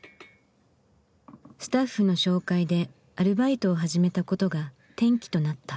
スタッフの紹介でアルバイトを始めたことが転機となった。